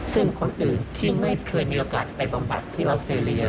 ซึ่งคนอื่นที่ไม่เคยมีโอกาสไปบำแบบที่เวิร์ตเซเรีย